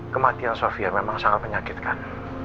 kematian sofia memang sangat menyakitkan